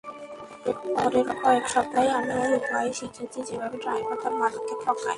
পরের কয়েক সপ্তাহে, আমি ওই উপায় শিখেছি যেভাবে ড্রাইভার তার মালিককে ঠকায়।